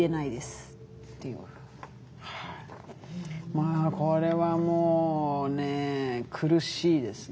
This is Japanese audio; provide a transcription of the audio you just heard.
まあこれはもうね苦しいですね。